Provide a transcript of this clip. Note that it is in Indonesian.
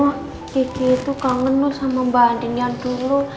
oh kiki itu kangen loh sama mbak andin yang dulu